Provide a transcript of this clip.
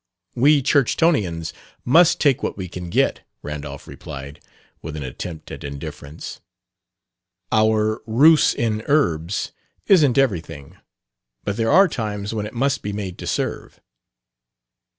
"We Churchtonians must take what we can get," Randolph replied, with an attempt at indifference. "Our rus in urbs isn't everything, but there are times when it must be made to serve."